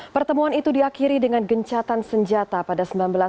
pertemuan itu diakhiri dengan gencatan senjata pada seribu sembilan ratus sembilan puluh